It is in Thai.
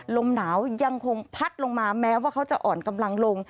ลมหนาวยังคงพัดลงมาแม้ว่าเขาจะอ่อนกำลังลง